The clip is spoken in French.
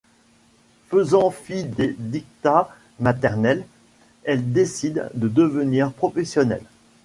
Faisant fi des diktats maternels, elle décide de devenir professionnelle.